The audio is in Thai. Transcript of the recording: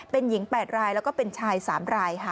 เป็นหญิง๘รายแล้วก็เป็นชาย๓รายค่ะ